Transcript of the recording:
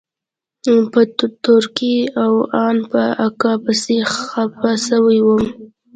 په تورکي او ان په اکا پسې خپه سوى وم.